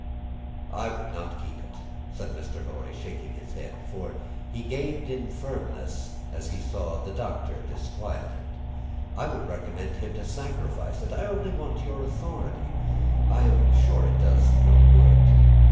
"I would not keep it," said Mr. Lorry, shaking his head; for he gained in firmness as he saw the Doctor disquieted. "I would recommend him to sacrifice it. I only want your authority. I am sure it does no good.